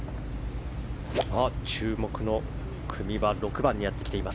注目の組は６番にやってきています